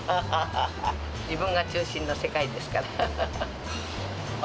自分が中心の世界ですから。